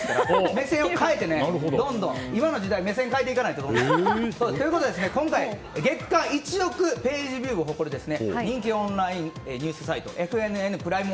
目線をどんどん変えないと。ということで今回月間１億ページビューを誇る人気オンラインニュースサイトＦＮＮプライム